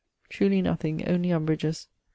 Truly nothing; only umbrages, sc.